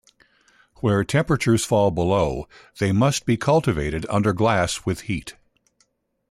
Where temperatures fall below they must be cultivated under glass with heat.